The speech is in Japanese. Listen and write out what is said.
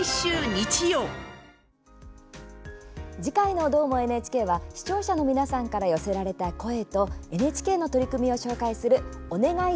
次回の「どーも、ＮＨＫ」は視聴者の皆さんから寄せられた声とＮＨＫの取り組みを紹介する「おねがい！